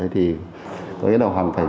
thì tôi nghĩ là hoàn cảnh